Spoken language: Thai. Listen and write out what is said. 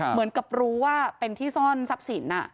เหมือนกับรู้ว่าเป็นที่ซ่อนทรัพย์สิน